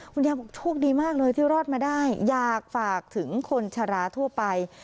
คุณยายบอกโชคดีมากเลยที่รอดมาได้อยากฝากถึงคนชะลาทั่วไป